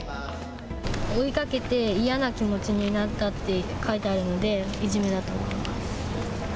追いかけて嫌な気持ちになったって書いてあるのでいじめだと思う。